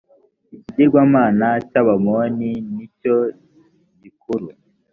ikigirwamana cy’ abamoni nicyogikuru.